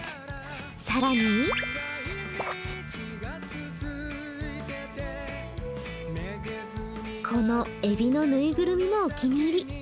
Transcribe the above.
更に、このえびのぬいぐるみもお気に入り。